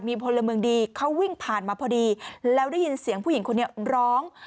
มีพลเมืองดีเขาวิ่งผ่านมาพอดีแล้วได้ยินเสียงผู้หญิงคนนี้ร้อง